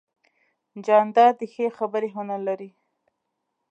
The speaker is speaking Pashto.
جانداد د ښې خبرې هنر لري.